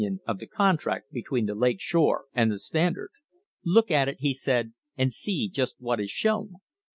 THE WAR ON THE REBATE of the contract between the Lake Shore and the Standard. Look at it, he said, and see just what is shown.